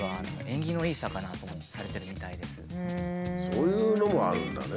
それからそういうのもあるんだね。